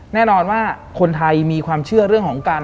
แน่นอนว่าคนไทยมีความเชื่อเรื่องของการ